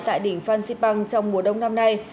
tại đỉnh phan xipang trong mùa đông năm nay